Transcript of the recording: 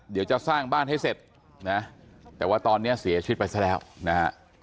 เดี๋ยวจะสร้างบ้านให้เสร็จนะแต่ว่าตอนนี้เสียชีวิตไปซะแล้วนะฮะ